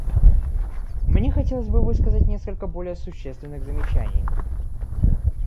Мне хотелось бы высказать несколько более существенных замечаний.